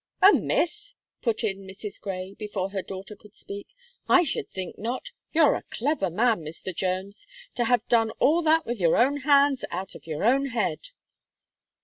"Amiss!" put in Mrs. Gray, before her daughter could speak, "I should think not. You're a clever man, Mr. Jones, to have done all that with your own hands, out of your own head."